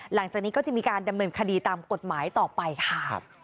หลังจากนี้ก็จะมีการดำเนินคดีตามกฎหมายต่อไปค่ะ